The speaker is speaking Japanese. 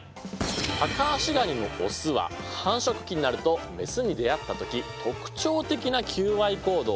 タカアシガニのオスは繁殖期になるとメスに出会った時特徴的な求愛行動をとります。